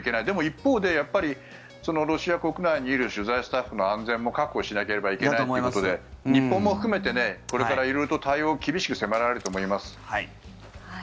でも、一方でロシア国内にいる取材スタッフの安全も確保しなければいけないということで日本も含めてこれから色々と対応は厳しく迫られると思います。